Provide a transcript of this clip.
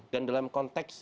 dan dalam konteks